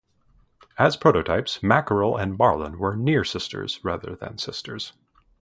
As prototypes, "Mackerel" and "Marlin" were near-sisters rather than sisters.